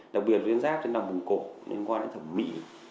đặc biệt ưu tuyến giáp trên đòng bụng cổ liên quan đến thẩm mỹ